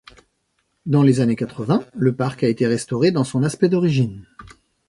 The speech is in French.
Dans les années quatre-vingt, le parc a été restauré dans son aspect d'origine.